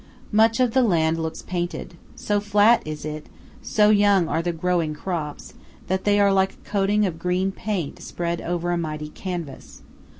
Much of the land looks painted. So flat is it, so young are the growing crops, that they are like a coating of green paint spread over a mighty canvas.